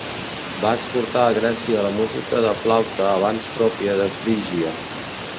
Va exportar a Grècia la música de flauta abans pròpia de Frígia.